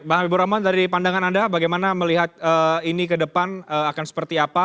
mbak habibur rahman dari pandangan anda bagaimana melihat ini kedepan akan seperti apa